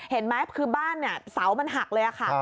เห็นไหมคือบ้านเนี่ยเสามันหักเลยค่ะ